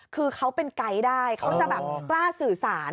คือเขาเป็นไกด์ได้เขาจะแบบกล้าสื่อสาร